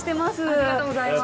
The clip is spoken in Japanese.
ありがとうございます。